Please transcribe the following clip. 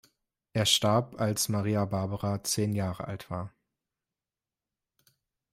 Er starb, als Maria Barbara zehn Jahre alt war.